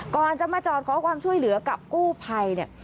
ก่อนจะมาจอดขอความช่วยเหลือกับกู้ภัยเนี่ย